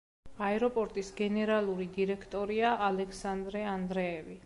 აეროპორტის გენერალური დირექტორია ალექსანდრე ანდრეევი.